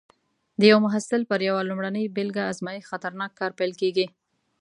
د یو محصول پر یوه لومړنۍ بېلګه ازمېښت خطرناک کار بلل کېږي.